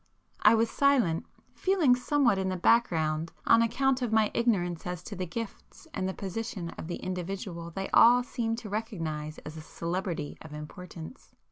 I was silent, feeling somewhat in the background on account of my ignorance as to the gifts and the position of the individual they all seemed to recognize as a celebrity of importance.